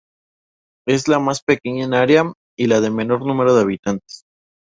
Es la más pequeña en área y la de menor número de habitantes.